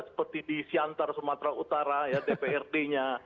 seperti di syantar sumatera utara dprd nya